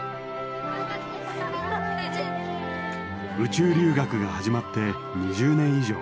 宇宙留学が始まって２０年以上。